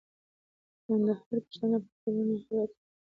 د کندهار پښتانه په ټول هيواد کي دي